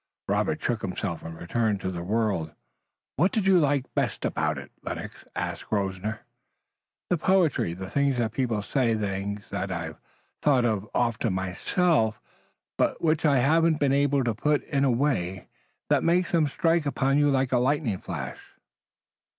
Robert shook himself and returned to the world. "What do you like best about it, Lennox?" asked Grosvenor. "The poetry. The things the people say. Things I've thought often myself, but which I haven't been able to put in a way that makes them strike upon you like a lightning flash."